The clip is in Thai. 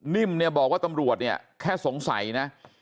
นิ่มเนี่ยบอกว่าตำรวจเนี่ยแค่สงสัยนะ